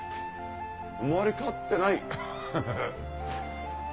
生まれ変わってないフフフ。